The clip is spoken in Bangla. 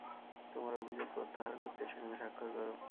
তোমার অভিযোগ প্রত্যাহার করতে সেখানে স্বাক্ষর করো।